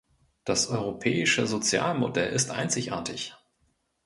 Das europäische Sozialmodell ist einzigartig.